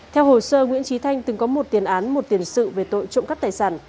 theo hồ sơ nguyễn trí thanh từng có một tiền án một tiền sự về tội trộm cắp tài sản